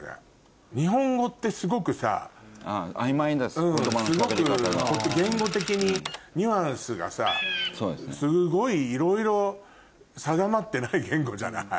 すごく言語的にニュアンスがさすごいいろいろ定まってない言語じゃない。